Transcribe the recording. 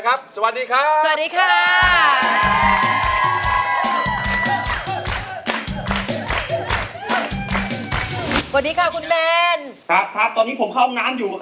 ครับตอนนี้ผมเข้างานอยู่ครับผม